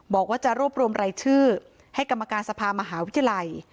บอกว่าจะรวบรวมรายชื่อให้กรรมการสภามหาวิทยาลัย